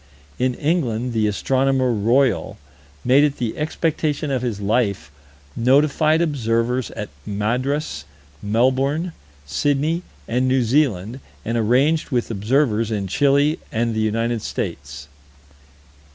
In England, the Astronomer Royal made it the expectation of his life: notified observers at Madras, Melbourne, Sydney, and New Zealand, and arranged with observers in Chili and the United States.